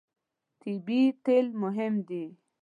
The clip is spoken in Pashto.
طبیعي تېل مهم دي.